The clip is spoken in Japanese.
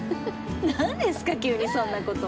何ですか、急にそんなこと。